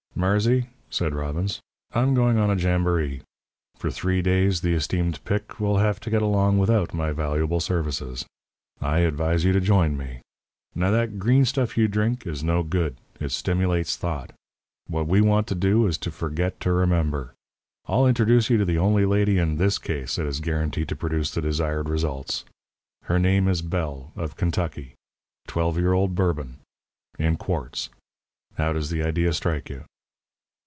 "Marsy," said Robbins, "I'm going on a jamboree. For three days the esteemed Pic. will have to get along without my valuable services. I advise you to join me. Now, that green stuff you drink is no good. It stimulates thought. What we want to do is to forget to remember. I'll introduce you to the only lady in this case that is guaranteed to produce the desired results. Her name is Belle of Kentucky, twelve year old Bourbon. In quarts. How does the idea strike you?"